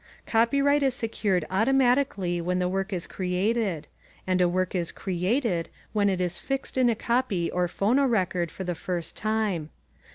Copyright is secured *automatically* when the work is created, and a work is "created" when it is fixed in a copy or phonorecord for the first time.